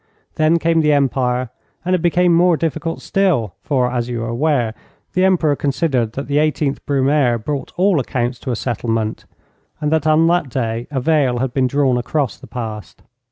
Then came the Empire, and it became more difficult still, for, as you are aware, the Emperor considered that the 18th Brumaire brought all accounts to a settlement, and that on that day a veil had been drawn across the past.